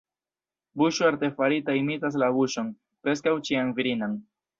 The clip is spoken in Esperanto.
Buŝo artefarita imitas la buŝon, preskaŭ ĉiam virinan.